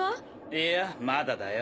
いやまだだよ。